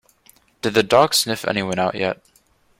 Did the dog sniff anyone out yet?